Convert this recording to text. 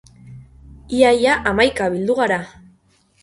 Ia ia hamaika bildu gara!